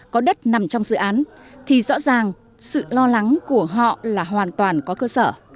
có đất nằm trong dự án thì rõ ràng sự lo lắng của họ là hoàn toàn có cơ sở